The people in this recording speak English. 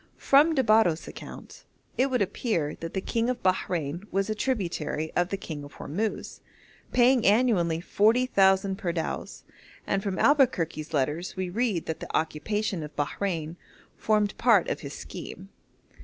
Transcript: From de Barros' account it would appear that the king of Bahrein was a tributary of the king of Hormuz, paying annually 40,000 pardaos, and from Albuquerque's letters we read that the occupation of Bahrein formed part of his scheme.